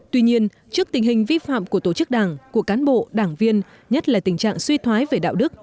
tuy nhiên trước tình hình vi phạm của tổ chức đảng của cán bộ đảng viên nhất là tình trạng suy thoái về đạo đức